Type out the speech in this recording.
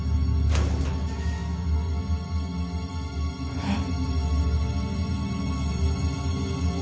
えっ。